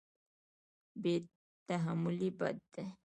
بې تحملي بد دی.